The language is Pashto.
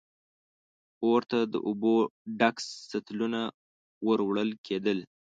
اور ته د اوبو ډک سطلونه ور وړل کېدل.